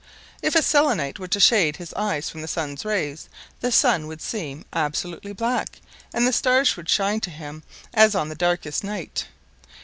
If a Selenite were to shade his eyes from the sun's rays, the sky would seem absolutely black, and the stars would shine to him as on the darkest night.